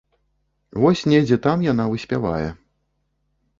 Вось недзе там яна выспявае.